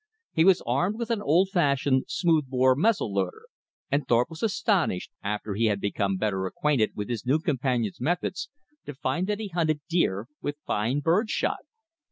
He was armed with an old fashioned smooth bore muzzle loader; and Thorpe was astonished, after he had become better acquainted with his new companion's methods, to find that he hunted deer with fine bird shot.